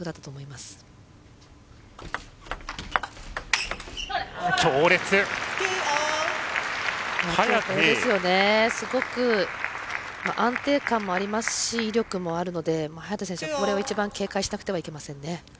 すごく安定感もありますし威力もあるので早田選手、これを一番警戒しなくてはなりませんね。